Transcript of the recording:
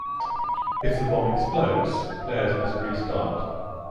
If the bomb explodes, players must restart.